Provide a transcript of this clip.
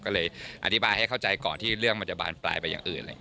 ก็เลยอธิบายให้เข้าใจก่อนที่เรื่องมันจะบานปลายไปอย่างอื่น